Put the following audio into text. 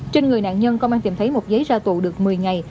trên người nạn nhân có mang tìm thấy một giấy ra tụ được một mươi ngày